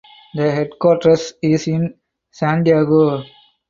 The headquarters is in Santiago.